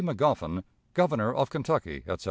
Magoffin, _Governor of Kentucky, etc.